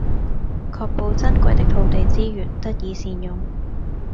確保珍貴的土地資源得以善用